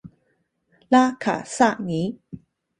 拉卡萨尼。